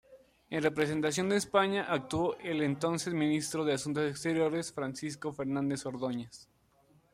En representación de España actuó el entonces Ministro de Asuntos Exteriores, Francisco Fernández Ordóñez.